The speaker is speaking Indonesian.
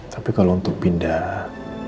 tapi kalau untuk pindah